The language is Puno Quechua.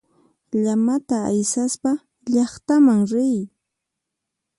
Llamata aysaspa llaqtaman riy.